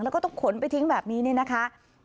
แล้วก็ต้องขนไปทิ้งแบบนี้เนี่ยนะคะ